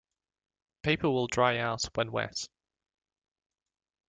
Paper will dry out when wet.